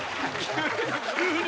急に。